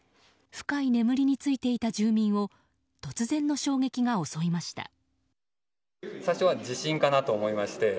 深い眠りについていた住民を突然の衝撃が襲いました。